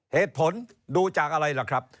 เหตุผลดูจากอะไรล่ะครับ